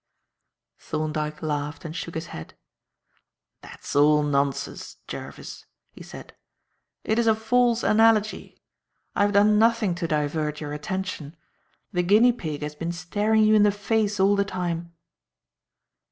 '" Thorndyke laughed and shook his head, "That's all nonsense, Jervis," he said. "It is a false analogy. I have done nothing to divert your attention. The guinea pig has been staring you in the face all the time."